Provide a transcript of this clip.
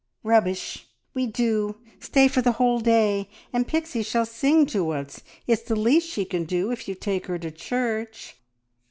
"Rubbish! We do. Stay for the whole day, and Pixie shall sing to us. It's the least she can do, if you take her to church."